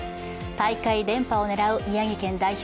大会連覇を狙う宮城県代表